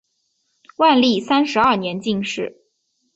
万历三十二年进士。